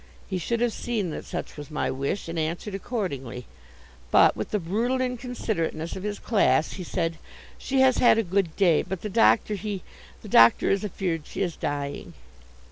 He should have seen that such was my wish and answered accordingly. But, with the brutal inconsiderateness of his class, he said: "She has had a good day, but the doctor, he the doctor is afeard she is dying."